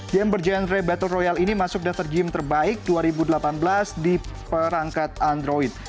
game bergenre battle royal ini masuk daftar game terbaik dua ribu delapan belas di perangkat android